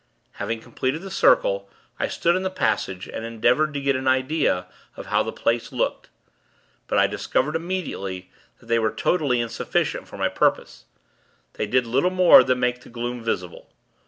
Having completed the circle, I stood in the passage, and endeavored to get an idea of how the place looked. But I discovered, immediately, that they were totally insufficient for my purpose. They did little more than make the gloom visible.